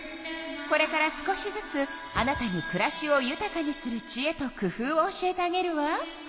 これから少しずつあなたにくらしをゆたかにするちえとくふうを教えてあげるわ。